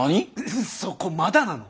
そこまだなの！？